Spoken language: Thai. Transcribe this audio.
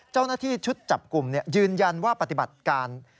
เจ้าหน้าที่ชุดจับกลุ่มยืนยันว่าปฏิบัติการ